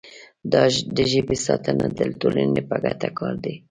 د ژبې ساتنه د ټولنې په ګټه کار دی.